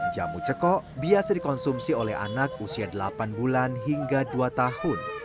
jamu ceko biasa dikonsumsi oleh anak usia delapan bulan hingga dua tahun